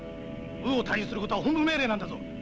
ウーを退治することは本部命令なんだぞ。